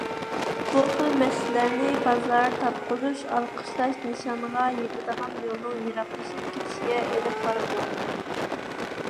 بۇخىل مەسىلىلەرنى بازار تاپقۇزۇش، ئالقىشلاش نىشانغا يېتىدىغان يولنىڭ يېراقلىشىپ كېتىشىگە ئېلىپ بارىدۇ.